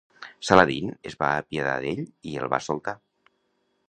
Saladin es va apiadar d'ell i el va soltar.